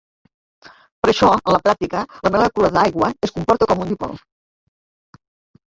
Per això en la pràctica, la molècula d'aigua es comporta com un dipol.